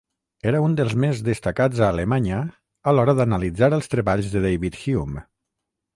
Era un dels més destacats a Alemanya a l'hora d'analitzar els treballs de David Hume.